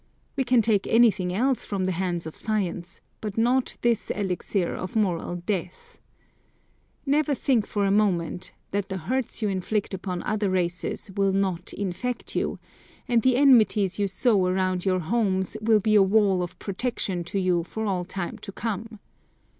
We can take anything else from the hands of science, but not this elixir of moral death. Never think for a moment, that the hurts you inflict upon other races will not infect you, and the enmities you sow around your homes will be a wall of protection to you for all time to come.